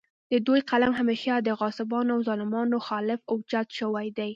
د دوي قلم همېشه د غاصبانو او ظالمانو خالف اوچت شوے دے